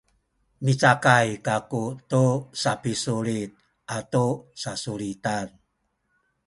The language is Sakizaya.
micakay kaku tu sapisulit atu sasulitan